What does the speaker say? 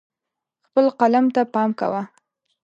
خپل قلم ته پام کوه.